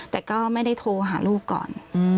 แต่ก็ไม่ได้โทรหาลูกก่อน